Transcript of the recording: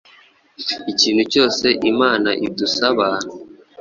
Ikintu cyose Imana idusaba,